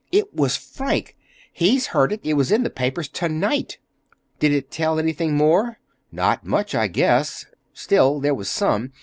"It was Frank. He's heard it. It was in the papers to night." "Did it tell anything more?" "Not much, I guess. Still, there was some.